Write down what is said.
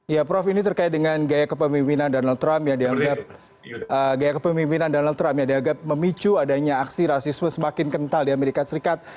ya prof ini terkait dengan gaya kepemimpinan donald trump yang dianggap memicu adanya aksi rasisme semakin kental di amerika serikat